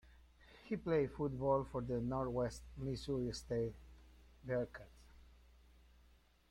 He played football for the Northwest Missouri State Bearcats.